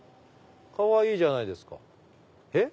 かわいいじゃないですか。